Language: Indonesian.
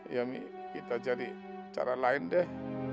ya mi kita cari cara lain deh